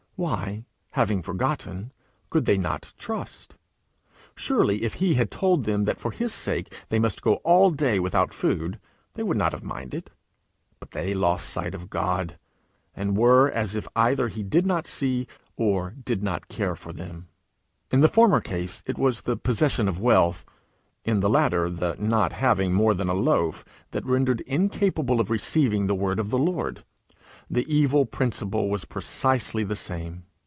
Why, having forgotten, could they not trust? Surely if he had told them that for his sake they must go all day without food, they would not have minded! But they lost sight of God, and were as if either he did not see, or did not care for them. In the former case it was the possession of wealth, in the latter the not having more than a loaf, that rendered incapable of receiving the word of the Lord: the evil principle was precisely the same.